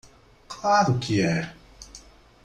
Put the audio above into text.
Claro que é.